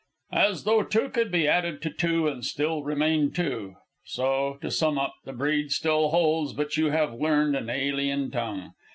As though two could be added to two and still remain two. So, to sum up, the breed still holds, but you have learned an alien tongue.